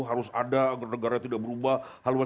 harus ada agar negara tidak berubah haluan